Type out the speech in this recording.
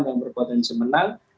yang berpotensi menang